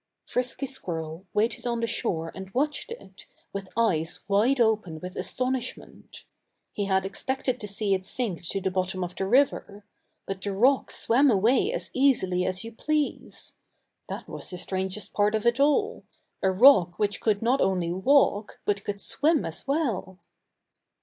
Frisky Squirrel waited on the shore and watched it, with eyes wide open with astonishment. He had expected to see it sink to the bottom of the river. But the rock swam away as easily as you please. That was the strangest part of it all a rock which could not only walk, but could swim as well!